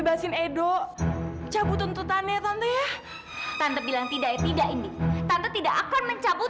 basin edo cabut tuntutannya tante ya tante bilang tidak tidak ini tante tidak akan mencabut